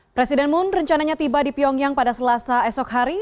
presiden moon rencananya tiba di pyongyang pada selasa esok hari